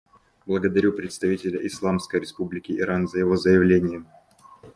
Благодарю представителя Исламской Республики Иран за его заявление.